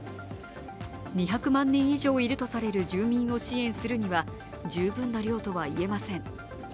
２００万人以上いるとされる住民を支援するには十分な量とはいえません。